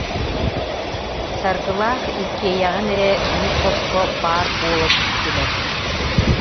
Саргылаах иккиэйэҕин эрэ биир хоско баар буола түстүлэр